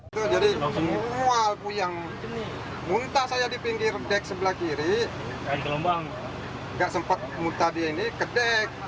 mualku yang muntah saya di pinggir dek sebelah kiri gak sempat muntah dia ini ke dek